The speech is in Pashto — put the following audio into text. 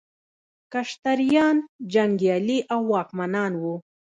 کشتریان جنګیالي او واکمنان وو.